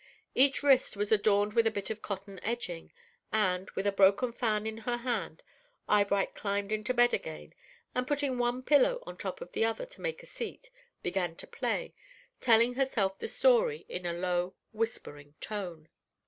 Each wrist was adorned with a bit of cotton edging, and, with a broken fan in her hand, Eyebright climbed into bed again, and putting one pillow on top of the other to make a seat, began to play, telling herself the story in a low, whispering tone.